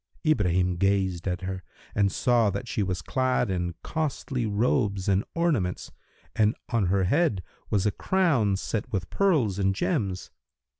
Ibrahim gazed at her and saw that she was clad in costly robes and ornaments, and on her head was a crown set with pearls and gems.